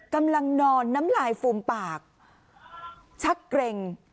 กำลังนอนน้ำลายฟูมปากชักเกร็ง